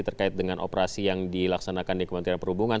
terkait dengan operasi yang dilaksanakan di kementerian perhubungan